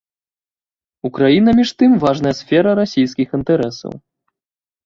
Украіна між тым важная сфера расейскіх інтарэсаў.